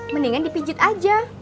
mendingan dipijit aja